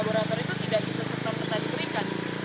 laborator itu tidak bisa serta merta diberikan